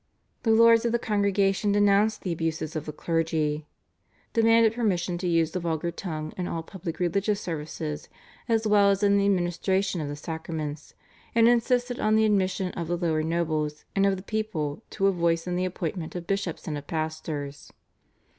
The lords of the Congregation denounced the abuses of the clergy, demanded permission to use the vulgar tongue in all public religious services as well as in the administration of the sacraments, and insisted on the admission of the lower nobles and of the people to a voice in the appointment of bishops and of pastors.